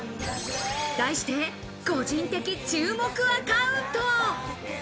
題して、個人的注目アカウント！